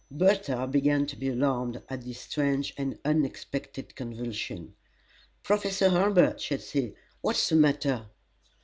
Bertha began to be alarmed at this strange and unexpected convulsion. "Professor Hurlbut!" said she, "what is the matter?"